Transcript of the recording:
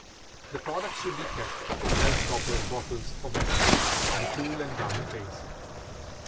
The products should be kept in well stoppered bottles or vessels, in a cool and dark place.